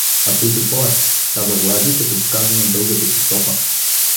— А туй какво е? — каза Влади, като показа на дългата си сопа.